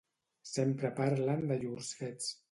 Sempre parlen de llurs fets.